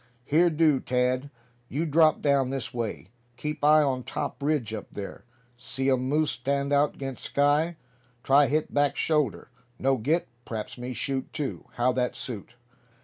"Here do, Tad; you drop down this way. Keep eye on top ridge up there. See um moose stand out 'gainst sky. Try hit back shoulder. No get, p'raps me shoot too. How that suit?"